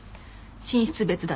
寝室別だし。